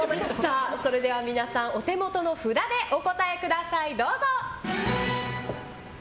それでは皆さんお手元の札でお答えください。